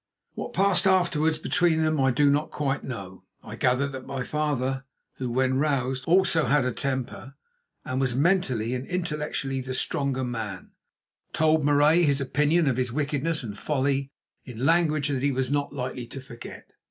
What passed afterwards between them I do not quite know. I gathered that my father, who, when roused, also had a temper and was mentally and intellectually the stronger man, told Marais his opinion of his wickedness and folly in language that he was not likely to forget.